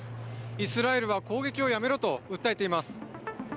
イスラエルは攻撃をやめろと訴えています。